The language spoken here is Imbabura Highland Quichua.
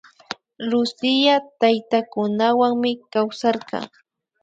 Lucía taytakunawanmi kawsarka